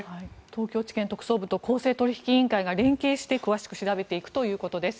東京地検特捜部と公正取引委員会が連携して詳しく調べていくということです